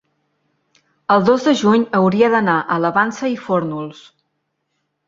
el dos de juny hauria d'anar a la Vansa i Fórnols.